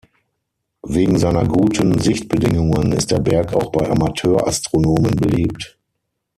Wegen seiner guten Sichtbedingungen ist der Berg auch bei Amateurastronomen beliebt.